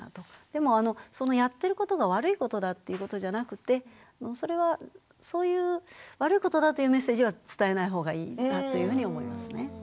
でもそのやってることが悪いことだっていうことじゃなくてそれはそういう悪いことだというメッセージは伝えないほうがいいなというふうに思いますね。